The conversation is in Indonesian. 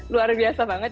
luar biasa banget